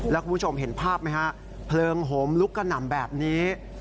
แล้วคุณผู้ชมเห็นภาพไหมฮะเพลิงโหมลุกกระหน่ำแบบนี้